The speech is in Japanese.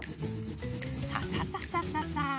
ササササササ。